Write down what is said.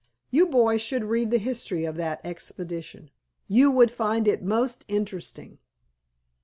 You boys should read the history of that expedition; you would find it most interesting."